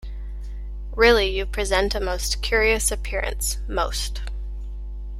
Really you present a most curious appearance, most.